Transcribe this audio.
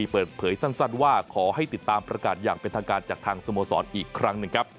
เปิดเผยสั้นว่าขอให้ติดตามประกาศอย่างเป็นทางการจากทางสโมสรอีกครั้งหนึ่งครับ